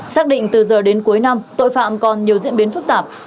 xác định từ giờ đến cuối năm tội phạm còn nhiều diễn biến phức tạp